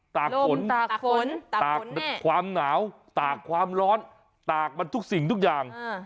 ตากฝนตากฝนตากความหนาวตากความร้อนตากมันทุกสิ่งทุกอย่าง